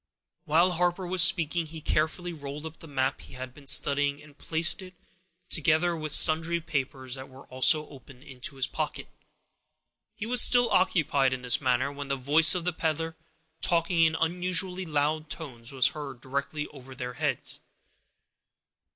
While Harper was speaking, he carefully rolled up the map he had been studying, and placed it, together with sundry papers that were also open, into his pocket. He was still occupied in this manner, when the voice of the peddler, talking in unusually loud tones, was heard directly over their heads.